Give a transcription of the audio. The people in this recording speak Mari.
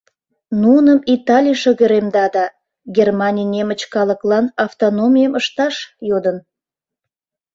Нуным Италий шыгыремда да, Германий немыч калыклан автономийым ышташ, йодын.